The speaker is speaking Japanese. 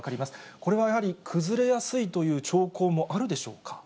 これはやはり崩れやすいという兆候もあるでしょうか。